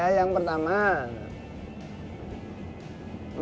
maruahnya pdi perjuangan atau apa mas